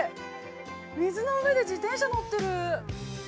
水の上で自転車乗ってる。